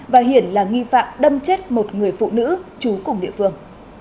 và hiển là nghi phạm đâm chết một người phụ nữ trú cùng địa phương